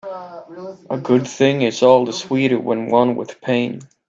A good thing is all the sweeter when won with pain.